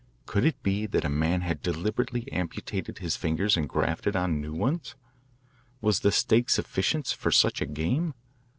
Could it be that a man had deliberately amputated his fingers and grafted on new ones? Was the stake sufficient for such a game?